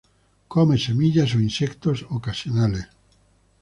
Come semillas e insectos ocasionales.